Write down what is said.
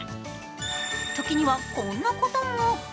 時にはこんなことも。